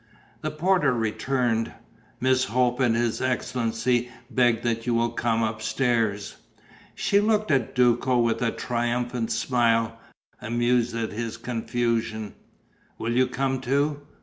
The porter returned: "Miss Hope and his excellency beg that you will come upstairs." She looked at Duco with a triumphant smile, amused at his confusion: "Will you come too?"